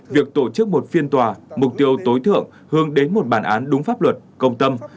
việc tổ chức một phiên tòa mục tiêu tối thượng hướng đến một bản án đúng pháp luật công tâm